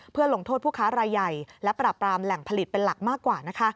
เพื่อลงโทษผู้ค้ารายใหญ่และปราบรามแหล่งผลิตเป็นหลักมากกว่า